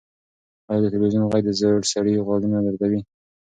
ایا د تلویزیون غږ د زوړ سړي غوږونه دردوي؟